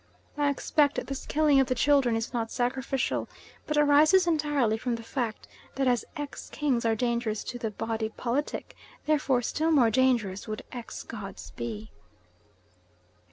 I expect this killing of the children is not sacrificial, but arises entirely from the fact that as ex kings are dangerous to the body politic, therefore still more dangerous would ex gods be.